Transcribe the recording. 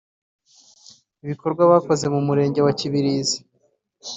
Ibikorwa bakoze mu murenge wa Kibirizi